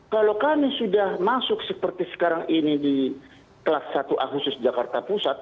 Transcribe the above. kalau kami sudah masuk seperti sekarang ini di kelas satu a khusus jakarta pusat